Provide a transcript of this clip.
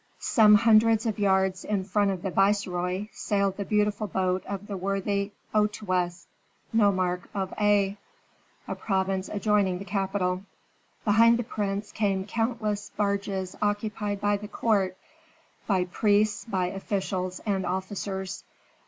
Some hundreds of yards in front of the viceroy sailed the beautiful boat of the worthy Otoes, nomarch of Aa, a province adjoining the capital. Behind the prince came countless barges occupied by the court, by priests, by officials and officers.